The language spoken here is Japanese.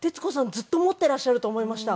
ずっと持ってらっしゃると思いました。